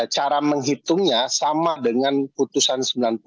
cara menghitungnya sama dengan putusan sembilan puluh